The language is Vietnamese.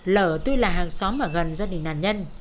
lở tuy là hàng xóm ở gần gia đình nạn nhân